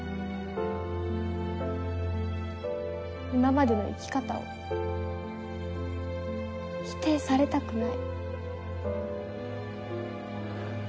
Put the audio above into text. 今までの生き方を否定されたくない。